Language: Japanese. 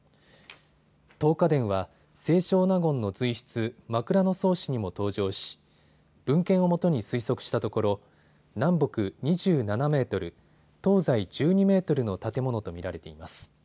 登華殿は清少納言の随筆、枕草子にも登場し文献を基に推測したところ南北２７メートル、東西１２メートルの建物と見られています。